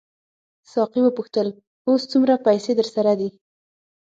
ساقي وپوښتل اوس څومره پیسې درسره دي.